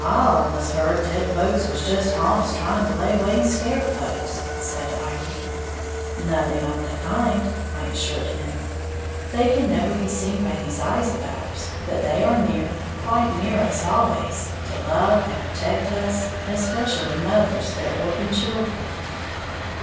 "I allus heared dead folks was just h'ants, trying to layway and scare folks," said Iry. "Nothing of the kind," I assured him; "they can never be seen by these eyes of ours, but they are near, quite near us always, to love and protect us, especially mothers their orphan children."